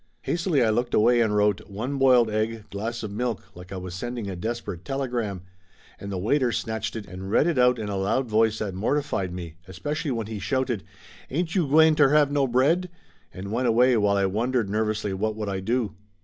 Hastily I looked away and wrote "One boiled egg, glass of milk" like I was sending a desperate telegram, and the waiter snatched it and read it out in a loud voice that mortified me, especially when he shouted "Ain't you gwine ter have no bread?" and went away while I wondered nervously what would I do.